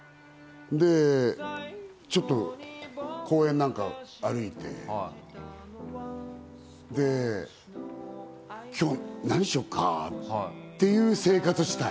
ちょっと公園なんか歩いて、今日何しようか？っていう生活をしたい。